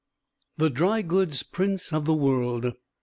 The dry goods prince of the world.